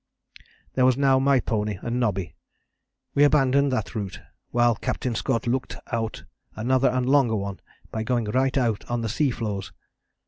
"There was now my pony and Nobby. We abandoned that route, while Captain Scott looked out another and longer one by going right out on the sea floes.